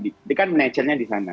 ini kan nature nya di sana